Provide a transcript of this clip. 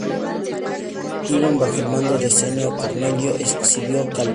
Iban bajo el mando de Cneo Cornelio Escipión Calvo.